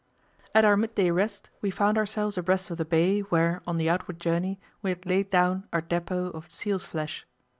At our midday rest we found ourselves abreast of the bay, where, on the outward journey, we had laid down our depot of seals' flesh.